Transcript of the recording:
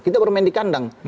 kita bermain di kandang